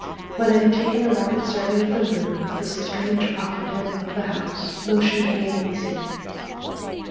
When I had taken a rapid survey of the room the strange occupant of the house motioned me to be seated.